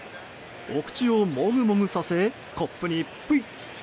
お口をもぐもぐさせコップにプイッ。